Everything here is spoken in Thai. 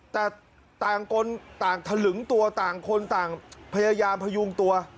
แต่ต่างคนต่างถลึงตัวต่างคนต่างพยายามพยุงตัว